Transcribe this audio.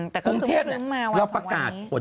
แต่คือพึ่งมาวันสังวันนี้คุณเทพเนี่ยเราประกาศ